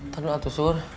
tentang atu sur